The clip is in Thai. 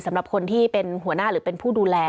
สำหรับคนที่เป็นหัวหน้าหรือเป็นผู้ดูแล